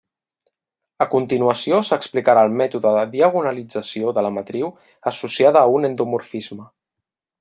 A continuació s'explicarà el mètode de diagonalització de la matriu associada a un endomorfisme.